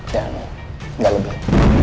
dan gak lebih